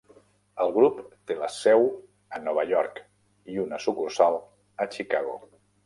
El grup té la seu a Nova York i una sucursal a Chicago.